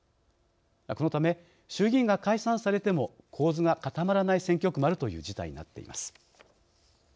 このため、衆議院が解散されても構図が固まらない選挙区もあるという事態になっています。